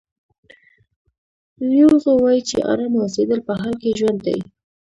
لیو زو وایي چې ارامه اوسېدل په حال کې ژوند دی.